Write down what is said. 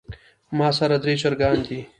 ماسره درې چرګان دي